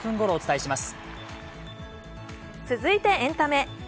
続いて、エンタメ。